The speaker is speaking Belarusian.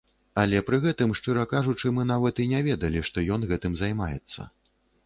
Але пры гэтым, шчыра кажучы, мы нават і не ведалі, што ён гэтым займаецца.